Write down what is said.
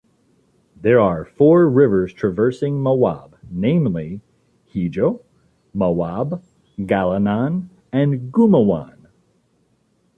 There are four rivers traversing Mawab, namely: Hijo, Mawab, Galinan, and Gumawan.